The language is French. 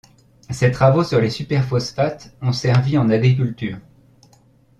Ses travaux sur les superphosphates ont servi en agriculture.